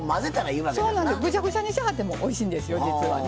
ぐしゃぐしゃにしはってもおいしいんですよ実はね。